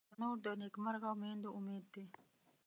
تنور د نیکمرغه میندو امید دی